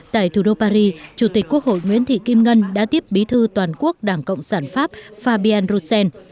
tại thủ đô paris chủ tịch quốc hội nguyễn thị kim ngân đã tiếp bí thư toàn quốc đảng cộng sản pháp fabien roussen